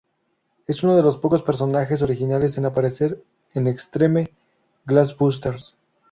Es uno de los pocos personajes originales en aparecer en Extreme Ghostbusters.